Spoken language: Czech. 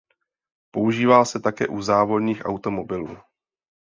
Používá se také u závodních automobilů.